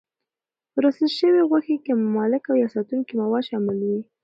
پروسس شوې غوښې کې مالکه یا ساتونکي مواد شامل وي.